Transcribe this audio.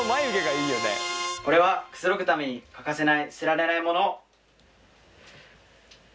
これはくつろぐために欠かせない捨てられないモノ。